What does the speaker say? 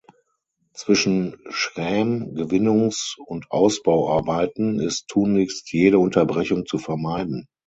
Zwischen Schräm-, Gewinnungs- und Ausbauarbeiten ist tunlichst jede Unterbrechung zu vermeiden.